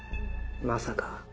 まさか。